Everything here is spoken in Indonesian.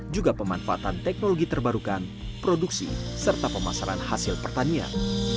juga pemanfaatan teknologi terbarukan produksi serta pemasaran hasil pertanian